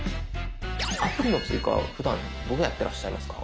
アプリの追加ふだんどうやってらっしゃいますか？